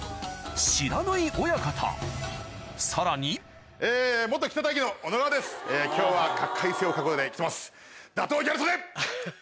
さらに今日は。